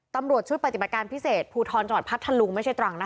ตำรวจชุดปฏิบัติการพิเศษภูทรจังหวัดพัทธลุงไม่ใช่ตรังนะคะ